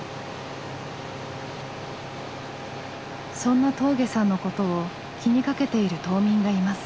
そんな峠さんのことを気にかけている島民がいます。